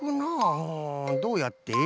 うんどうやって。